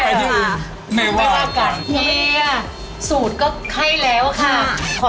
โอเคแล้วประมาณ๒๐อ่ะค่ะ